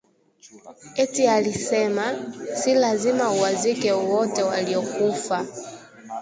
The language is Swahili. Eti alisema, si lazima uwazike wote waliokufa